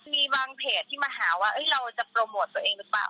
มีบางเพจที่มาหาว่าเราจะโปรโมทตัวเองหรือเปล่า